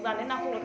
sao còn khóc